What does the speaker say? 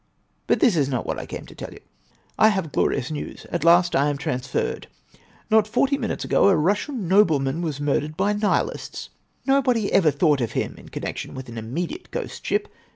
But this is not what I came to tell you. I have glorious news! At last I am transferred! Not forty minutes ago a Russian nobleman was murdered by the Nihilists. Nobody ever thought of him in connection with an immediate ghostship.